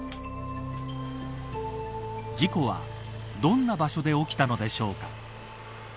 事故は、どんな場所で起きたのでしょうか。